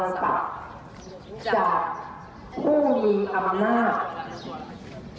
มีตระบัดจากผู้มีอำนาจใหญ่โตมาก